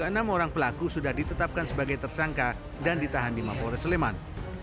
enam orang pelaku sudah ditetapkan sebagai tersangka dan ditahan di mapores sleman